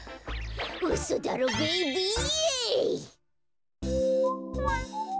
うそだろベイビー！